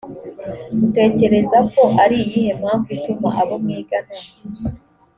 utekereza ko ari iyihe mpamvu ituma abo mwigana